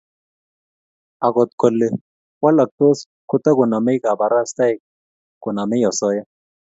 akot kole walaktos kotokonamei kaparastaik konamei osoya